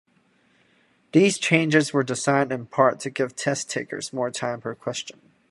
These changes were designed in part to give test-takers more time per question.